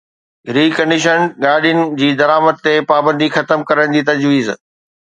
reconditioned گاڏين جي درآمد تي پابندي ختم ڪرڻ جي تجويز